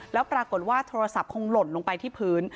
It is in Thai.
แล้วปรากฏว่าโทรศัพท์คงหล่นลงไปที่พื้น